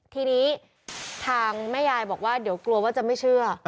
ทีนี้ทางแม่ยายบอกว่าเดี๋ยวกลัวว่าจะไม่เชื่อ